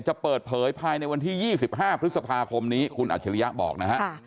จะเปิดเผยภายในวันที่๒๕พฤษภาคมนี้คุณอัจฉริยะบอกนะฮะ